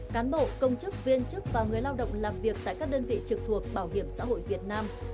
cán bộ công chức viên chức và người lao động làm việc tại các đơn vị trực thuộc bảo hiểm xã hội việt nam